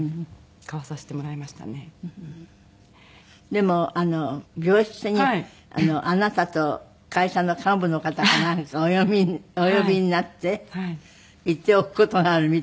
でも病室にあなたと会社の幹部の方かなんかお呼びになって「言っておく事がある」みたいな。